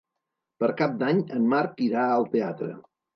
Per Cap d'Any en Marc irà al teatre.